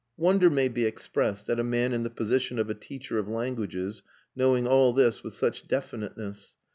Wonder may be expressed at a man in the position of a teacher of languages knowing all this with such definiteness.